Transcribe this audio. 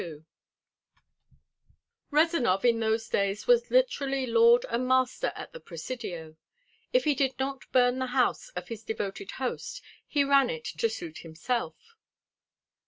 XXII Rezanov in those days was literally lord and master at the Presidio. If he did not burn the house of his devoted host he ran it to suit himself.